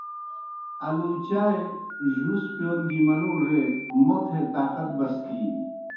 آلُوچائے جُوس پِیون گیْ منُوڙے موتھے طاقت بسکِینیْ۔